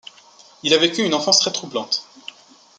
Il a vécu une enfance très troublante.